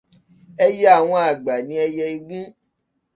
Ẹyẹ àwọn àgbà ni ẹyẹ igun.